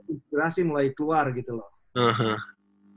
imigrasi mulai keluar gitu loh